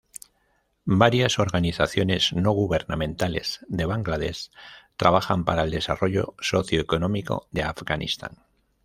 Varias organizaciones no gubernamentales de Bangladesh trabajan para el desarrollo socioeconómico de Afganistán.